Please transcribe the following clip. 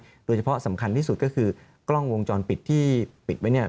โดยเฉพาะสำคัญที่สุดก็คือกล้องวงจรปิดที่ปิดไว้เนี่ย